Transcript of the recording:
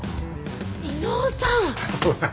威能さん！